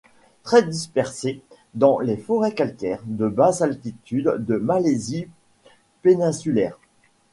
Très dispérsée dans les forêts calcaires de basse altitude de Malaisie péninsulaire.